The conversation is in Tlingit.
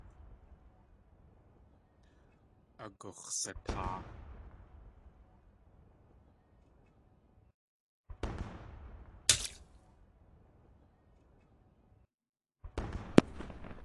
Agux̲satáa.